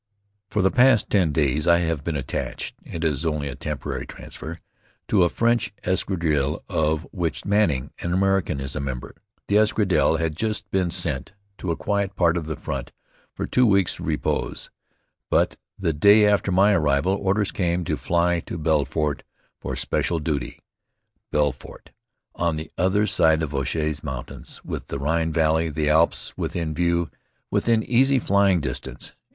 For the past ten days I have been attached it is only a temporary transfer to a French escadrille of which Manning, an American, is a member. The escadrille had just been sent to a quiet part of the front for two weeks' repos, but the day after my arrival orders came to fly to Belfort, for special duty. Belfort! On the other side of the Vosges Mountains, with the Rhine Valley, the Alps, within view, within easy flying distance!